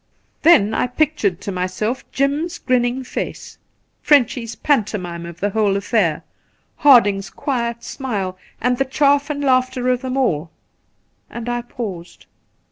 Then I pictured to myself Jim's grinning face, Frenchy's pantomime of the whole affair, Harding's quiet smile, and the chaff and laughter of them all, and I paused.